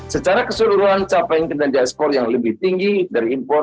secara keseluruhan capaian kinerja skor yang lebih tinggi dari impor